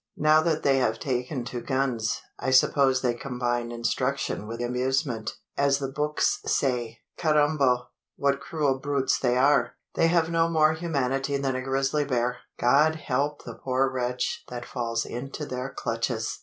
Now that they have taken to guns, I suppose they combine instruction with amusement, as the books say. Carrambo! what cruel brutes they are! They have no more humanity than a grizzly bear. God help the poor wretch that falls into their clutches!